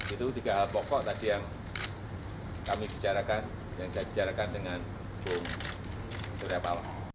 itu tiga hal pokok tadi yang kami bicarakan yang saya bicarakan dengan bung surya paloh